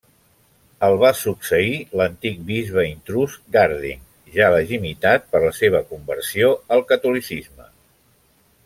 El va succeir l'antic bisbe intrús Garding, ja legitimitat per la seva conversió al catolicisme.